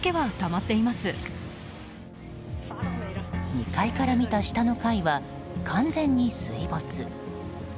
２階から見た下の階は完全に水没。